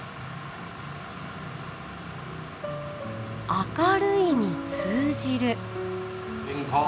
明るいに通じる。